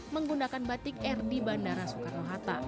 menggunakan batik r di bandara soekarno